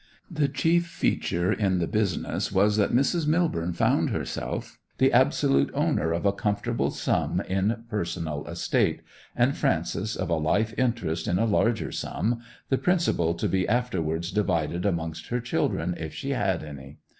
The chief feature in the business was that Mrs. Millborne found herself the absolute owner of a comfortable sum in personal estate, and Frances of a life interest in a larger sum, the principal to be afterwards divided amongst her children if she had any.